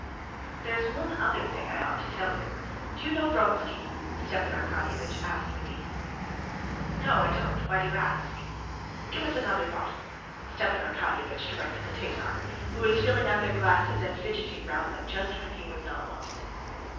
"There's one other thing I ought to tell you. Do you know Vronsky?" Stepan Arkadyevitch asked Levin. "No, I don't. Why do you ask?" "Give us another bottle," Stepan Arkadyevitch directed the Tatar, who was filling up their glasses and fidgeting round them just when he was not wanted.